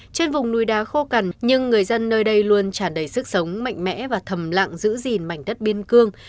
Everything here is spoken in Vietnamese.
trên vùng núi đá khô cằn nhưng người dân nơi đây luôn tràn đầy sức sống mạnh mẽ và thầm lặng giữ gìn mảnh đất biên cương